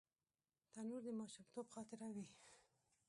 تنور د ماشومتوب خاطره وي